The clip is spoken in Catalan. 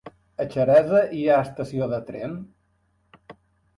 A Xeresa hi ha estació de tren?